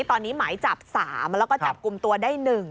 ตอนนี้หมายจับ๓แล้วก็จับกลุ่มตัวได้๑